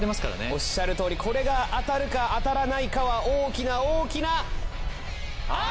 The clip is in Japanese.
おっしゃるとおりこれが当たるか当た大きな大きな。